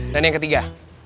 dan yang ketiga